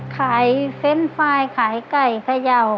ขายเฟนต์ไฟล์ขายไก่ขยาว